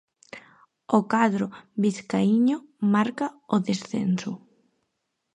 O cadro biscaíño marca o descenso.